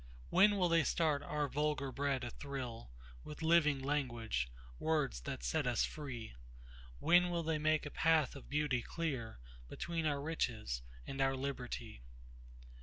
When will they start our vulgar blood athrillWith living language—words that set us free? When will they make a path of beauty clearBetween our riches and our liberty?